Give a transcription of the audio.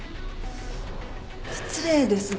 失礼ですが。